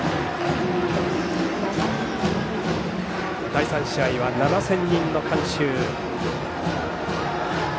第３試合は７０００人の観衆。